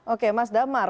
oke mas damar